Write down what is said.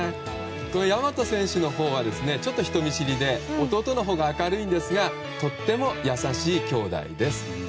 大和選手のほうはちょっと人見知りで弟のほうが明るいんですがとても優しい兄弟です。